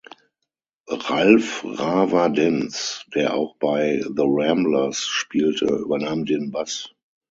Ralf „Rawa“ Denz, der auch bei The Ramblers spielte, übernahm den Bass.